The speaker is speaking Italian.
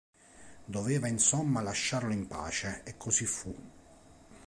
Doveva insomma lasciarlo in pace e così fu.